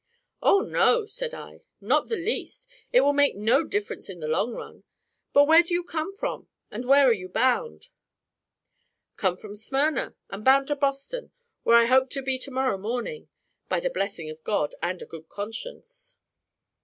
"Oh, no," said I, "not the least; it will make no difference in the long run. But where do you come from, and where are you bound?" "Come from Smyrna, and bound to Boston, where I hope to be to morrow morning, by the blessing of God, and a good conscience."